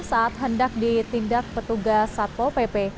saat hendak ditindak petugas satpol pp